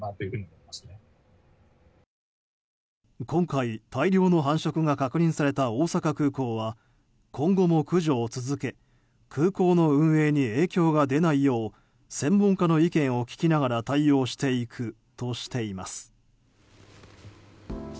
今回、大量の繁殖が確認された大阪空港は今後も駆除を続け、空港の運営に影響が出ないよう専門家の意見を聞きながら対応していくとしています。